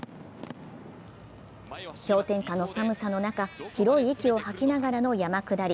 氷点下の寒さの中、白い息を吐きながらの山下り。